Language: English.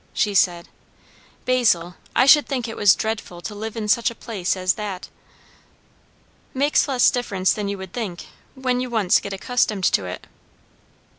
she said. "Basil, I should think it was dreadful to live in such a place as that." "Makes less difference than you would think, when you once get accustomed to it."